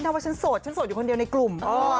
ว่าฉันโสดฉันโสดอยู่คนเดียวในกลุ่ม